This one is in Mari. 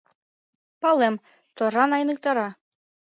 Палем, торжан айныктара.